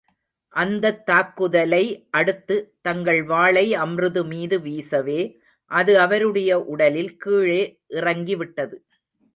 அந்தத் தாக்குதலை அடுத்து, தங்கள் வாளை அம்ரு மீது வீசவே, அது அவருடைய உடலில் கீழே இறங்கிவிட்டது.